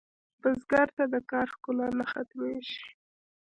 بزګر ته د کار ښکلا نه ختمېږي